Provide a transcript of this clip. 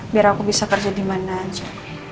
biar aku bisa kerja dimana aja